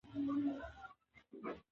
علامه حبيبي د حقایقو روښانه کولو ته ژمن و.